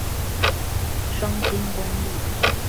雙菁公路